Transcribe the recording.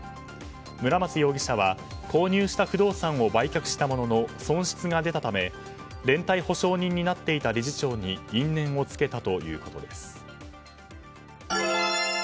村松容疑者は購入した不動産を売却したものの損失が出たため連帯保証人になっていた理事長に因縁をつけたということです。